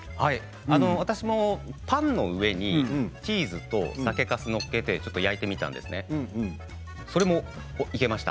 私もパンの上にチーズと酒かすを載っけて焼いてみました。